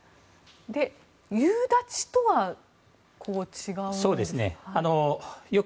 夕立とは違うんですか？